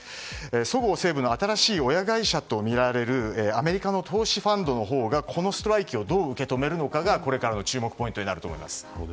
そごう・西武の新しい親会社とみられるアメリカの投資ファンドのほうがこのストライキをどう受け止めるかがこれからの注目ポイントになると思います。